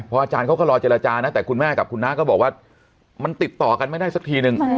อาจารย์เขาก็รอเจรจานะแต่คุณแม่กับคุณน้าก็บอกว่ามันติดต่อกันไม่ได้สักทีนึง